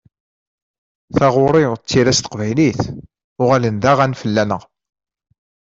Taɣuri d tira s teqbaylit uɣalen d aɣan fell-aneɣ.